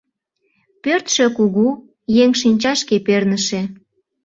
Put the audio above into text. Пӧртшӧ кугу, еҥ шинчашке перныше.